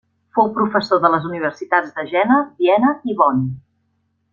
Fou professor de les universitats de Jena, Viena i Bonn.